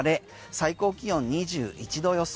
最高気温２１度予想。